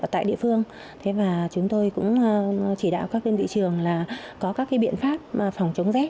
tại địa phương và chúng tôi cũng chỉ đạo các đơn vị trường là có các biện pháp phòng chống rét